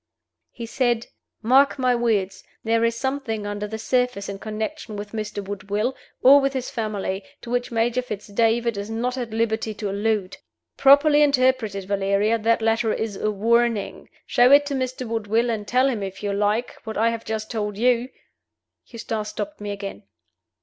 "He said, 'Mark my words! There is something under the surface in connection with Mr. Woodville, or with his family, to which Major Fitz David is not at liberty to allude. Properly interpreted, Valeria, that letter is a warning. Show it to Mr. Woodville, and tell him (if you like) what I have just told you '" Eustace stopped me again.